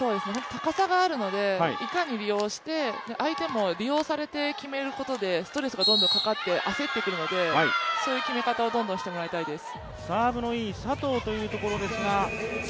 高さがあるのでいかに利用して、相手も利用されて決めることでストレスがどんどんかかって、焦ってくるのでそういう決め方をどんどんしてもらいたいです。